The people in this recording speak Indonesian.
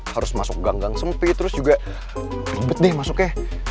harus masuk gang gang sempit terus juga ribet deh masuknya